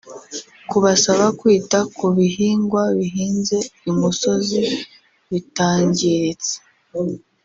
kubasaba kwita ku bihingwa bihinze imusozi bitangiritse